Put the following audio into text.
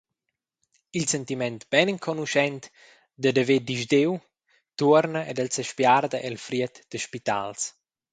Il sentiment beinenconuschent dad haver disdiu tuorna ed el sespiarda el fried da spitals.